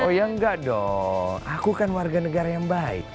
oh ya enggak dong aku kan warga negara yang baik